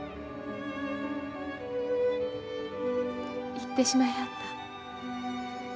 行ってしまいはった。